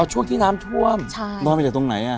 อ๋อช่วงที่น้ำท่วมลอยไปจากตรงไหน